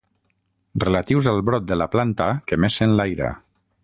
Relatius al brot de la planta que més s'enlaira.